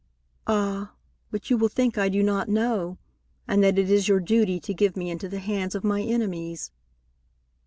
"Ah, but you will think I do not know, and that it is your duty to give me into the hands of my enemies."